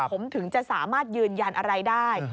ผมถึงจะสามารถยืนยันอะไรได้